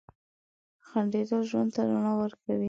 • خندېدل ژوند ته رڼا ورکوي.